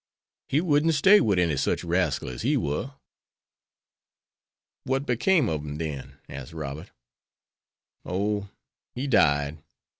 He wouldn't stay wid any such rascal as he war." "What became of him?" asked Robert. "Oh, he died.